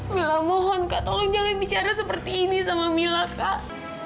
mila mohon kak tolong jangan bicara seperti ini sama mila kak